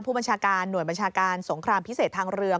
ผู้บัญชาการหน่วยบัญชาการสงครามพิเศษทางเรือ